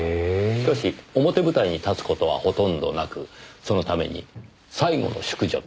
しかし表舞台に立つ事はほとんどなくそのために最後の淑女と呼ばれています。